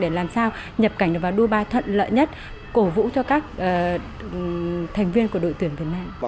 để làm sao nhập cảnh vào duba thận lợi nhất cổ vũ cho các thành viên của đội tuyển việt nam